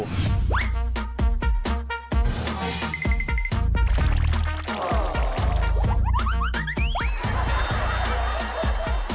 ล่ะ